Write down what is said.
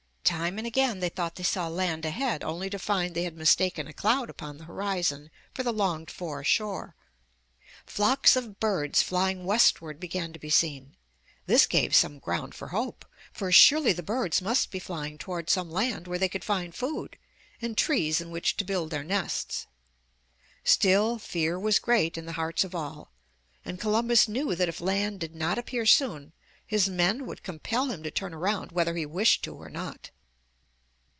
Time and again they thought they saw land ahead, only to find they had mistaken a cloud upon the horizon for the longed for shore. Flocks of birds flying westward began to be seen. This gave some ground for hope. For surely the birds must be flying toward some land where they could find food, and trees in which to build their nests. Still fear was great in the hearts of all, and Columbus knew that if land did not appear soon, his men would compel him to turn around whether he wished to or not.